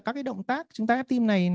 các cái động tác chúng ta ép tim này